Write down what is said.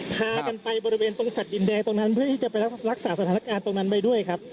พากันไปบริเวณตรงสัตว์ดินแดงตรงนั้นเพื่อที่จะไปรักษาสถานการณ์ตรงนั้นไปด้วยครับ